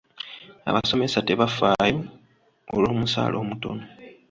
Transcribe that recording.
Abasomesa tebafaayo olw'omusala omutono.